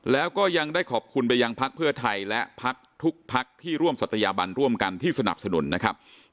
แล้วก็ยังได้ขอบคุณไปยังพักเพื่อไทยและพักทุกพักที่ร่วมศัตยาบันร่วมกันที่สนับสนุนนะครับ